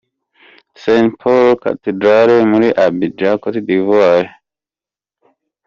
St Paul’s Cathedral muri Abidjan, Cote D’Ivoire.